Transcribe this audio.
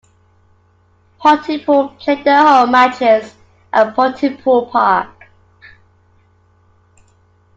Pontypool play their home matches at Pontypool Park.